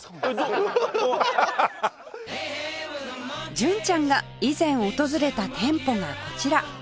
純ちゃんが以前訪れた店舗がこちら